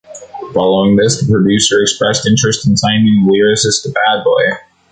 Following this, the producer expressed interest in signing the lyricist to Bad Boy.